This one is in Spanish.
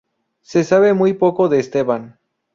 Se sabe muy poco de Esteban.